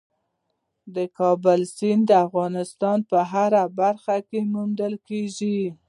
د کابل سیند د افغانستان په هره برخه کې موندل کېږي.